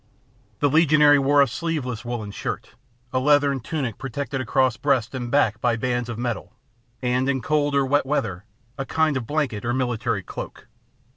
The legionary wore a sleeveless woollen shirt, a leathern tunic protected across breast and back by bands of metal, and, in cold or wet weather, a kind of blanket or military cloak.